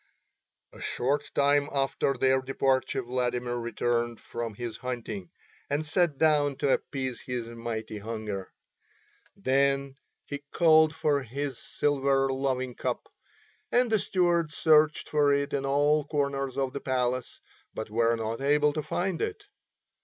A short time after their departure Vladimir returned from his hunting, and sat down to appease his mighty hunger. Then he called for his silver loving cup, and the stewards searched for it in all corners of the palace, but were not able to find it.